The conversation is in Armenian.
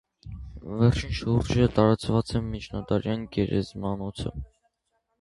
Վերջինի շուրջ տարածված է միջնադարյան գերեզմանոցը։